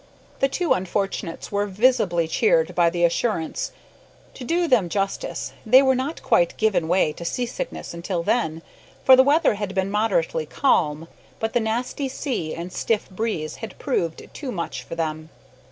The two unfortunates were visibly cheered by the assurance. To do them justice, they had not quite given way to sea sickness until then, for the weather had been moderately calm, but the nasty sea and stiff breeze had proved too much for them.